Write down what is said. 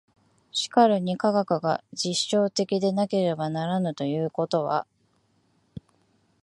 しかるに科学が実証的でなければならぬということは、